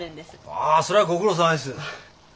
ああそれはご苦労さまです。